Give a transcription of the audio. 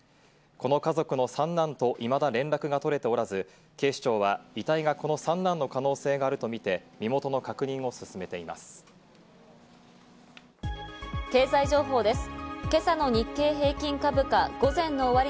この家族の三男といまだ連絡が取れておらず、警視庁は遺体がこの三男の可能性があるとみて、身元の確認を進め経済情報です。